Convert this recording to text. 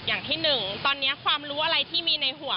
อย่างที่หนึ่งตอนนี้ความรู้อะไรที่มีในหัว